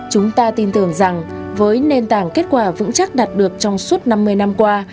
chúng ta tin tưởng rằng với nền tảng kết quả vững chắc đạt được trong suốt năm mươi năm qua